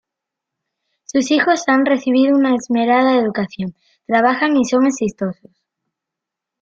Sus hijos han recibido una esmerada educación, trabajan y son exitosos.